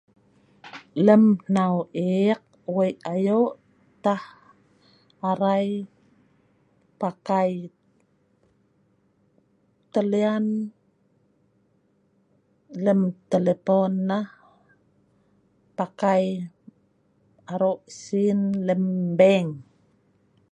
Lem hnau ek wei ayo tah arai pakai talian lem telefon nah pakai aro sin lem bank.